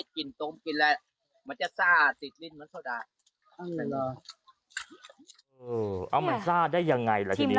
ชิมแล้วซากเลยอะ